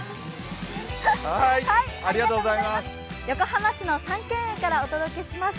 横浜市の三渓園からお届けします。